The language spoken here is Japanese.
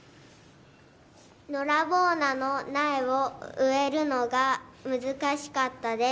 のらぼう菜の苗を植えるのが難しかったです。